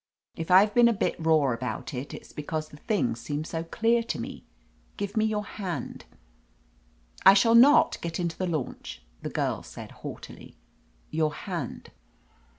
If I've been a bit raw about it, it's because the thing seemed so clear to me. Give me your hand." "I shall not get into the launch," the girl said haughtily. "Your hand."